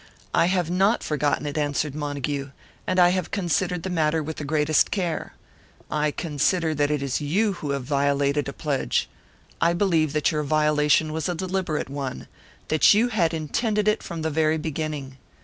"I have not forgotten it," answered Montague. "And I have considered the matter with the greatest care. I consider that it is you who have violated a pledge. I believe that your violation was a deliberate one that you had intended it from the very beginning.